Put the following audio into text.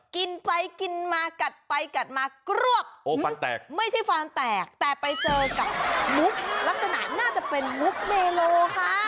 กินไปกินมากัดไปกัดมากรวบโอ้ฟันแตกไม่ใช่ฟันแตกแต่ไปเจอกับมุกลักษณะน่าจะเป็นมุกเมโลค่ะ